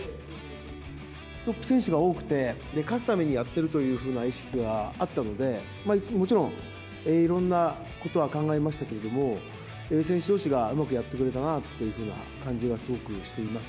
トップ選手が多くて、勝つためにやってるというふうな意識があったので、もちろんいろんなことは考えましたけれども、選手どうしがうまくやってくれたなぁというふうな感じが、すごくしています。